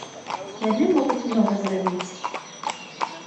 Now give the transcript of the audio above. Яны могуць многа зрабіць.